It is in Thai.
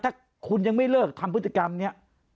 ถ้าคุณยังไม่เลิกทำพฤติกรรมนี้